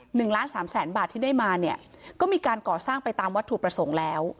หนึ่งล้านสามแสนบาทที่ได้มาเนี่ยก็มีการก่อสร้างไปตามวัตถุประสงค์แล้ว